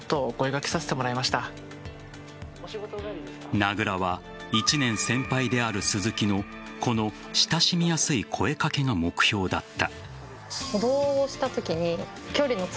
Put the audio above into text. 名倉は、１年先輩である鈴木のこの親しみやすい声掛けが目標だった。